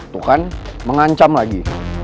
tuh kan mengancam lagi